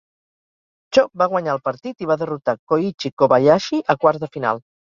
Cho va guanyar el partit i va derrotar Koichi Kobayashi a quarts de final.